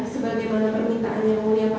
seperti orang pada umumnya